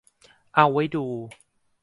เอาไว้ดู